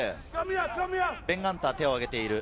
ベン・ガンターが手を上げている。